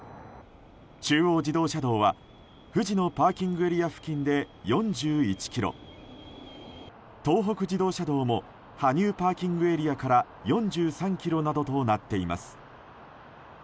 中央自動車道は藤野ＰＡ付近で４１ｋｍ東北自動車道も羽生ＰＡから４３ｋｍなどとなっています。